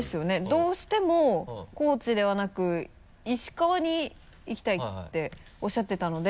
どうしても高知ではなく石川に行きたいっておっしゃってたので。